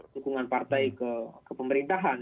tukungan partai ke pemerintahan